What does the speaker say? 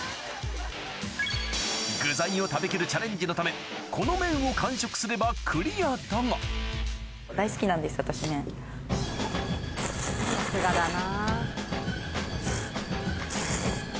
具材を食べきるチャレンジのためこの麺を完食すればクリアだがさすがだな。